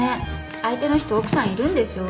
相手の人奥さんいるんでしょ？